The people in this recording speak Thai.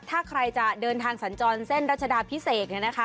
ถ้าใครจะเดินทางสัญจรเส้นรัชดาพิเศษเนี่ยนะคะ